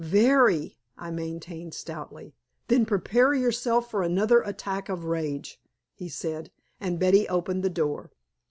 "Very," I maintained stoutly. "Then prepare yourself for another attack of rage!" he said. And Betty opened the door.